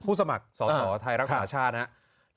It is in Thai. ผู้สมัครสสทรักษาชาตินะครับ